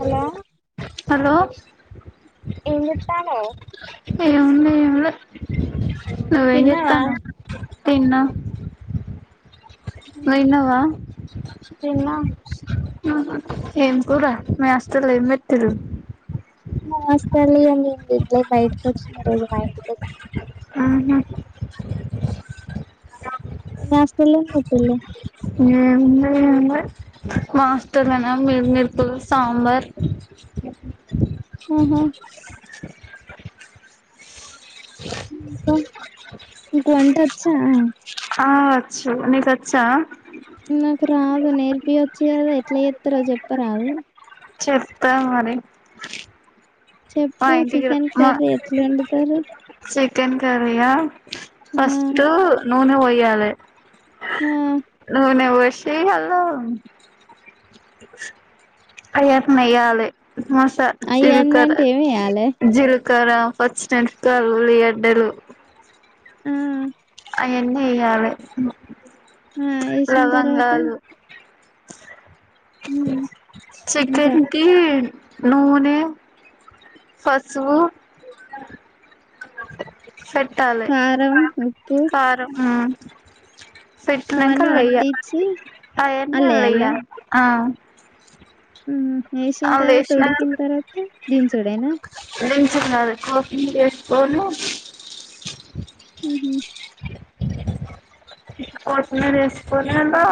Hello hello ఏంజెత్తన్నావ్ ఏముంది ఎంలే నువ్వేం తిన్నావా చెత్తన్నావ్ తిన్న నువ్ తిన్నావా తిన్నా అహ ఏం కురా మీ హిస్టల్ లా ఏం పెట్టింరు హాస్టల్ లా ఇయాల ఎం బెట్లే బయటకు వచ్చినా ఈ రోజు మా ఇంటికి వచ్ అహ మీ హాస్టల్లో ఎం పెట్టిల్లు ఎంలే ఎంలే మ హిస్టల్ లన మర్ మిరుపులు సాంబార్ ఆహా వంటొచ్చా ఆ వచ్చు నీకు వచ్చా నాకు రాదు నేర్పియో వచ్చు కదాఎట్లా చేత్తరో చెప్పరాదు చెప్తా మరి మా చెప్పు ఇంటికి రా చికెన్ మా కర్రీ ఎట్లా వండుతారు సెట్. చికెన్ కర్రీయా ఆ ఫస్ట్ నూనె పోయ్యాలే. ఆ నూనె వోయ్. సి అళో అవన్నీ వేయాలి. మాస అయ్యన్ని జిలకరా అంటే ఏమేయ్యాలే జిల్. కార్ ఆఫ్ వచ్చినాక ఉల్లిగడ్డలు ఆ అయన్నీ ఎయ్యాలె ఆ వేసిన తర్వాత లవంగాలు ఇంకా చిక్కెన్ కి నూనె పసుపు పెట్టాలె కారం ఉప్పు కారం పెట్టినంక అవన్నీ అల్లెయ్య పట్టించి అయన్ని అల్లేయాలా అలెయ్యా ఆహ్. ఏసిన్ తర్వాత ఉడుకిన్ తర్వాత దించుడేన. కాఫీ వేస్కోను. ఉహు. కోతిమీర వేసుకొని అన్ల.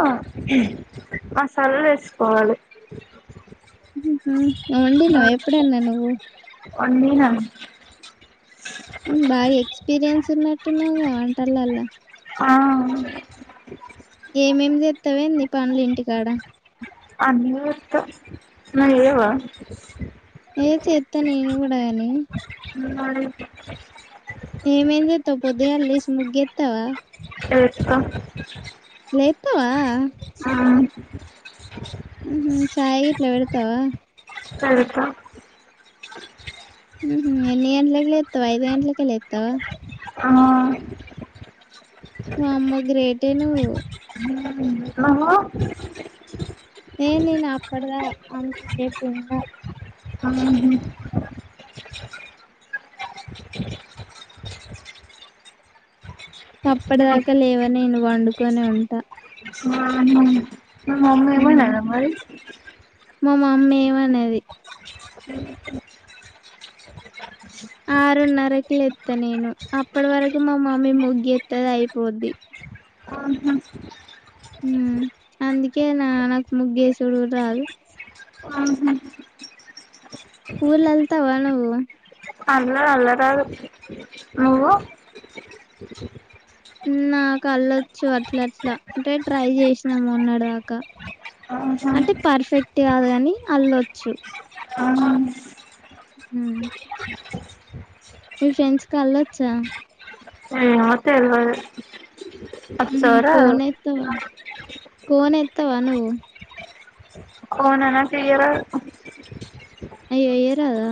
మసాలల్ ఎస్కోవాలి. ఉహు నువ్వు వండినవా ఎప్పుడన్న నువ్వు. వండినా ఊ బాగ ఎక్స్పీరియన్స్ ఉన్నట్టున్నవు గా వంటలల్ల. ఆహ్. ఏమేం చేత్తవ్ ఏంది పనులు ఇంటికాడ. అన్ని చేస్త నువ్వు చెయ్యవా. ఏ చేత్త నేను గూడ గని. మడి. ఏమేం చెత్తవ్ పోద్దుగలెషి ముగ్గేత్తవా. ఏత్త. లేత్తవా. ఉహు చాయ్ గిట్ల వెడ్తవా. ఇంట్లా పెడ్త. ఉహు ఎన్ని గంట్లక్ లెత్తవ్ ఐదు గంట్లకే లేత్తవ. ఆహ్. వామ్మో గ్రేటే నువ్వు. నువ్వు. ఏ నేను అప్పుడ్దా అంత సేప్ ఉండ. ఉమ్, ఉమ్, అప్పడ్దాకా లేవ నేను పండుకొనే ఉంటా. వామ్మో మీ మమ్మి హ్మ్. ఏమనద మరి. మా మమ్మీ ఏం అనది. ఊహు. ఆరున్నరకు లేత్త నేను. అప్పడు వరకు మా మమ్మి ముగ్గేత్తది ఐపోద్ది. ఆహ. మ్మ్ అందుకేనా నాకు ముగ్గేసుడు గుడ రాదు. ఆహ్. పూలు అల్లుతావా నువ్వు. అల్లన్ అల్లరాదు నువ్వు. నాకు అళ్లొచ్చు అట్ల అట్లా అంటే ట్రై చేశ్న మొన్నడు దాక. ఉమ్, అంటె పర్ఫెక్ట్ గాదు గని అల్లొచ్చు. ఆహ్. ఉమ్. మీ ఫ్రెండ్స్క్ అళ్ళొచ్చా. ఏమో తెల్వది. ఉహు కోన్ ఏత్తవ కోన్ ఏత్తవ నువ్వు. కోనా నాకు ఏయ్యరాదు. అయ్యో ఎయ్యరాదా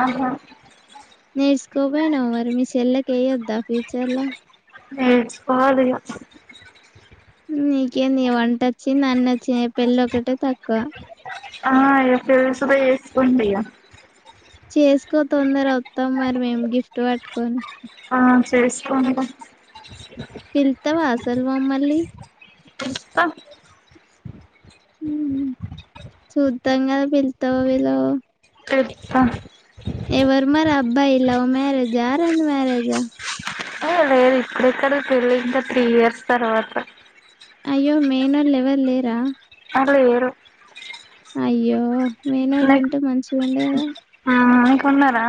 ఆహా నేర్చుకోకపోయినావ మరి మీ చెల్లకి ఏయొద్దా ఫ్యూచర్లా. నేర్చుకోవాలి ఇగా. నీకేందిగ వంటచ్చింద్ అన్ని ఒచ్చినై పెళ్ళి ఒకటే తక్కువ ఆ ఇగ పెళ్ళి సుగ చేస్కుంటిగ చేస్కో తొందర్ ఒత్తం మరి మేమ్ గిఫ్ట్ పట్టుకొని ఆ చేస్కుంట. పిల్తవా అసల్ మమ్మల్ని చూత్త చూద్దాం కాదు పిల్తవో పిల్వవో చెప్తా. ఎవరు మరబ్బాయి లవ్ మ్యారేజా అరెంజ్ మ్యారేజా ఇప్పుడెక్కడ్ది పెళ్ళి ఇంకా త్రీ ఇయర్స్ తర్వాత మేనోల్ ఎవర్ లేరా? ఆ లేరు. అయ్యో మేనోల్లుంటే మంచిగుండు కదా ఉన్నరా?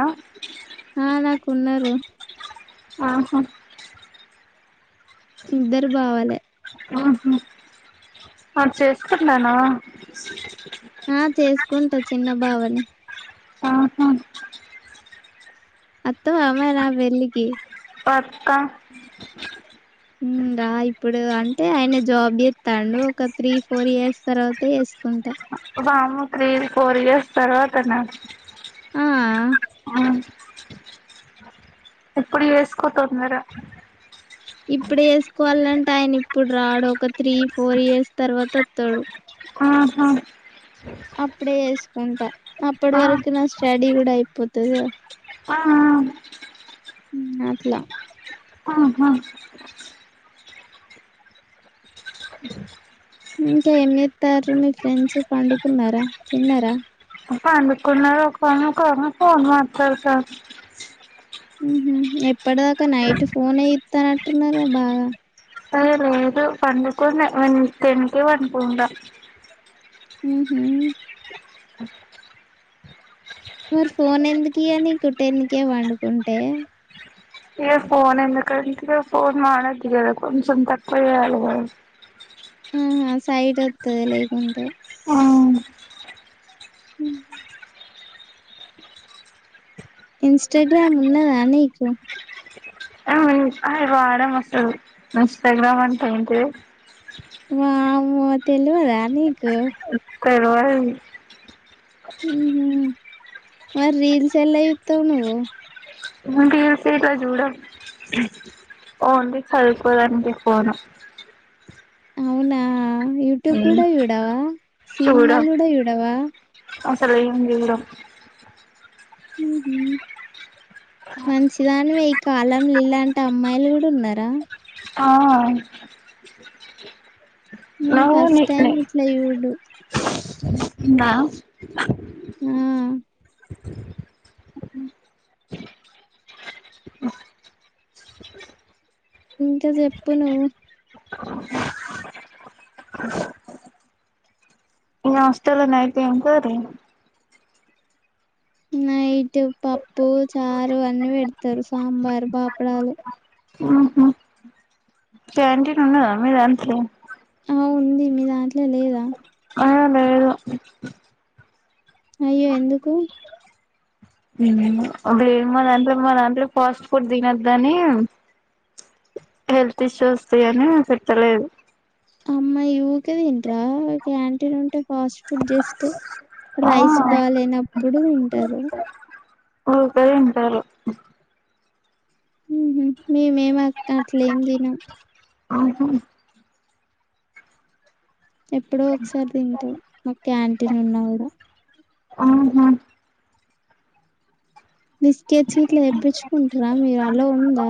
ఆ నాక్ ఉన్నరు. ఆహ ఇద్దరు బావాలె ఆహ మార్ చేస్కుంటాన్నవా? ఆ చేస్కుంట చిన్న బావాని. ఆహా అత్తవా మర్ నా పెళ్ళికి పక్క హ్మ్. రా ఇప్పుడు అంటే ఆయన జాబ్ చేత్తాండు ఒక త్రీ ఫోర్ ఇయర్స్ తర్వాత చేస్కుంట. వామ్మో త్రీ ఫోర్ ఇయర్స్ తర్వాతనా ఆ! అ ఇప్పుడ్ చేస్కో తొందర ఇప్పుడే చేస్కోవాలంటే ఆయన ఇప్పుడ్ రాడు ఒక త్రీ ఫోర్ ఇయర్స్ తర్వాత ఒత్తడు. ఆహా! అప్పుడే చేస్కుంటా అప్పటి ఆ వరకు నా స్టడీ కూడా అయిపోతదిగా ఆ ఆ.. అట్లా ఆహా ఇంకా ఏం చేత్తాంరు మీ ఫ్రెండ్స్ పండుకున్నరా, తిన్నరా? పండుకున్నది ఒక ఆమె ఒకామె ఫోన్ మాట్లాడ్తాన్ మ్ హ్ ఎప్పట్దాకా నైట్ ఫోనే చుత్తనట్టు ఉన్నరుగ బాగా ఏ లేదు పండుకున్న నేన్ టెన్కే పండుకుంట. ఉమ్ హ్ మరి ఫోన్ ఎందుక్ ఇగ నీకు టెన్కే వండుకుంటే ఇగ ఫోన్ ఎందుకంటే ఫోన్ వాడాలి కదా కొంచం తక్కువ్ చేయాలి కదా మ్ హ్ సైట్ ఓత్తది లేకుంటే ఇంస్టాగ్రామ్ ఉన్నదా నీకు? అయి వాడం అసల్ ఇంస్టాగ్రామ్ అంటే ఏంటిది? వామ్మో తెల్వదా నీకు తెల్వదీ. మ్ మరి రీల్స్ ఎల్ల చూత్తవ్ నువ్వు సుమన్ టీవీ [unintelligible] జూడం ఓన్లీ చదుకోడాన్కే ఫోను అవునా యూట్యూబ్ కూడా చూడవా సిన్మాలు కూడా చూడవా అసల్ ఏమ్ చూడం మ్ హ్ మంచిదానివే ఈ కాలం లిలాంటి అమ్మాయిలు గుడున్నరా ఆ నేన్ నువ్వు ఫస్ట్ నీ టైం ఇట్ల చూడు ఉన్న మ్ ఇంకా చెప్పు నువ్వు మీ హాస్టల్ న అయితే ఎమ్ కర్రీ నైట్ పప్పు చారు అన్ని పెడతారు సాంబార్ పాపడాలు క్యాంటీన్ ఉన్నదా మీ దాంట్లో ఆ ఉంది మీ దాంట్లో లేదా ఆ లేదు అయ్యో ఎందుకు ఉమ్ మా దాంట్లో మా దంట్లో ఫాస్ట్ ఫుడ్ తిన్నదనీ హెల్త్ ఇష్యూ వస్తాయని పెట్టలేదు అమ్మాయి ఊరికే తింటారా క్యాటీన్ ఉంటే ఫాస్ట్ ఫుడ్ జస్ట్ ఆ రైస్ బాలేనప్పుడు తింటారు ఊకే తింటారు ఉ హు మేమేం అ అట్లా ఎమ్ తినం ఉహు ఎప్పుడో ఒకసారి తింటాం మాకు క్యాంటీన్ ఉన్నా కూడా బిస్కెస్ ఇట్లా తెప్పించుకుంటారా మీరు అలో ఉందా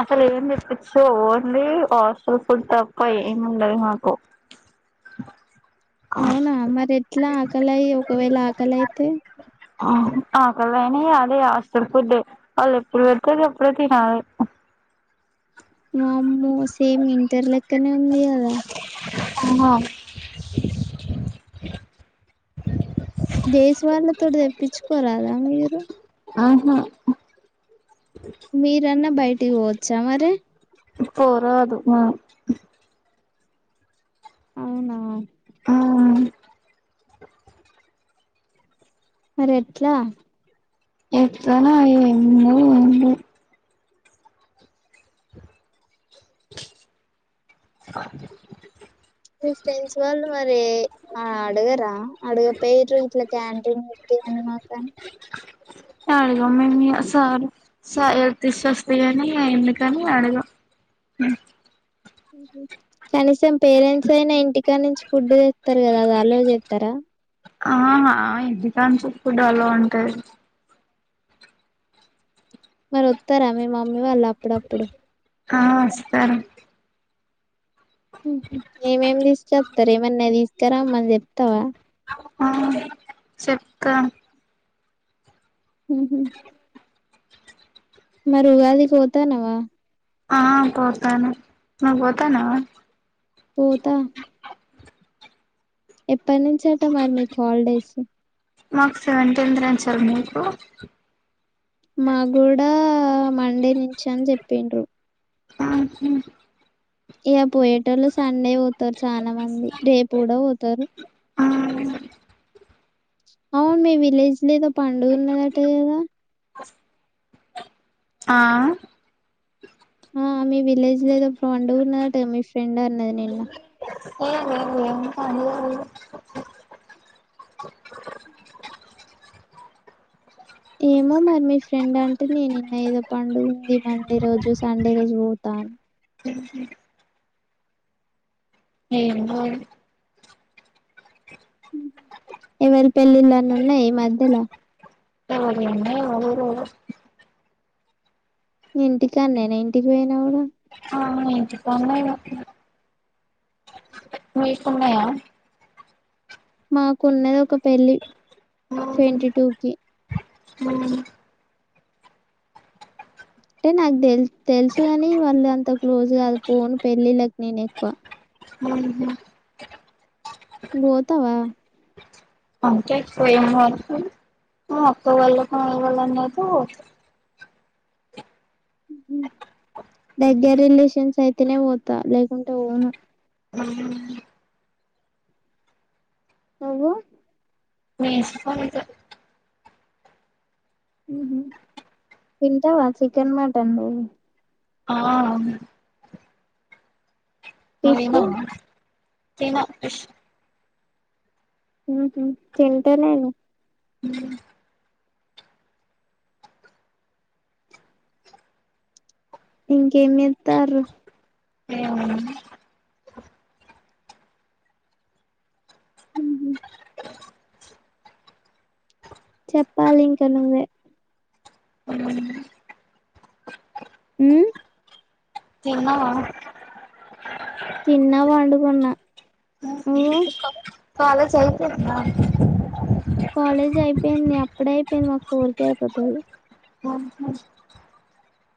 అసలు ఏం చెప్పిచ్చు ఓన్లీ హాస్టల్ ఫుడ్ తప్ప ఏమి ఉండదు మాకు అవునా మరి ఎట్లా ఆకలయి ఒకవేళ ఆకలయితే ఆకలి అయినా ఇగ అదే హాస్టల్ ఫుడే వాళ్ళు ఎప్పుడు పెడితే అప్పుడే తినాలి వామ్మో సేమ్ ఇంటర్ లెక్కనే ఉంది కదా ఆ డేస్ వాళ్ళ తో తెప్పించుకోరాదా మీరు ఆహా మీరన్నా బయటికి పోవచ్చ మరి పో రాదు మేం అవునా మరి ఎట్లా ఇట్లనే ఏమో ఏందో మీ ఫ్రెండ్స్ వాళ్ళు మరి అడగరా అడగపోయిరు ఇట్లా క్యాంటీన్ పెట్టి యని మాకని అడగం మేము ఇగ సార్ స హెల్త్ ఇష్యూస్ వస్తయ్ అని ఎందుకని అడగం కనీసం పేరెంట్స్ అయినా ఇంటికా నుంచి ఫుడ్ తెస్తారు కదా అది అలో చేస్తారా ఆ ఇంటి కానుంచి ఫుడ్ అలో ఉంటది మరి వత్తరా మీ మమ్మీ వాళ్ళు అప్పుడప్పుడు ఆ వస్తారు ఏమేమి తీసుకస్తారు ఏమన్నా తీసుకురామ్మని చెప్తావా ఆ చెప్తా ఉహు మరి ఉగాదికి పోతన్నావా ఆ పోతాను ను పోతానవా పోతా ఎప్పటి నుంచట మరి మీకు హాలిడేస్ మాకు సెవెంటీన్త్ నుంచే మీకు మా గూడా మండే నుంచి అని చెప్పిండ్రు ఉహు ఇగ పోయేటోళ్ళు సండే పోతారు చాలా మంది రేపు కూడా పోతారు అవును మీ విలేజ్ లే ఏదో పండుగ ఉన్నదట కదా ఆ ఆ మీ విలేజ్ లో ఏదో పండుగన్నదట మీ ఫ్రెండ్ అన్నది నిన్న ను మరి మీ ఫ్రెండాంటే నేను నిన్న ఏదో పండుగ ఉంది మండే రోజు సండే రోజు పోతాని ఏ లేదు ఏం పని లేదు ఏం లేదు ఎవరి పెళ్ళిళ్ళన్న ఉన్నాయ ఈ మధ్యల ఎవరియి ఉన్నయి ఎవరియి లేవు ఇంటికాన్నేన ఇంటికి పోయినాగుడ ఆ ఇంటికాన్నే ఇగ మీకున్నయా మాకున్నది ఒక పెళ్లి ఉహు ట్వంటీ టూ కి అంటే నాకు తెలు తెలుసు కాని వాళ్ళు అంత క్లోజ్ గాదు పోను పెళ్ళిళ్ళకి నేను ఎక్కువ ఉహు నువ్ పోతవా అంటే ఎక్కువేం పోను మా అక్క వాళ్ళ [unintelligible] వాళ్ళు అందర్ పోతా దగ్గరిలేషన్స్ అయితేనే పోతా లేకుంటే పోను నువ్వు నేను సుత అంతే ఉహు తింటావా చికెన్ మటన్ నువు ఆ నువ్వు ఫిష్ నువ్ తినవా ఉ హు తింటలేను ఇంకేచెత్తారు ఉ హు చెప్పాలింకా నువ్వే ఉమ్ తిన్నవా తిన్న పండుకున్న నువ్వు కాలేజ్ అయిపోయిందా కాలేజ్ అయిపోయింది అప్పుడే అయిపోయింది మాకు ఫోర్కే అయిపోతది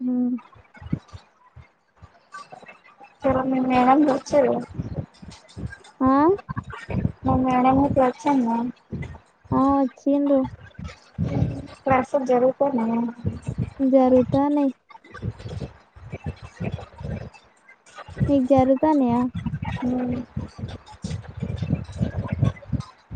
ఉమ్ [unintelligible] ఆ మా మేడమ్ గిట్ల అచ్చిందా ఆ వచ్చిండ్రు క్లాసులు జరుగుతున్నయా జరుగుతన్నాయి మిక్ జరుగుతానయ ఉమ్